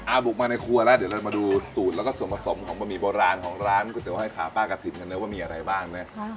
บุกมาในครัวแล้วเดี๋ยวเรามาดูสูตรแล้วก็ส่วนผสมของบะหมี่โบราณของร้านก๋วยเตี๋ห้อยขาป้ากระถิ่นกันนะว่ามีอะไรบ้างนะ